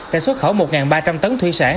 đã xuất khẩu một ba trăm linh tấn thủy sản